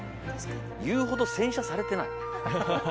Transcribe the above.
言うほど洗車されていない。